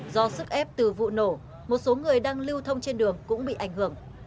do sức ép từ vụ nổ một số người đang lưu thông trên đường cũng bị ảnh hưởng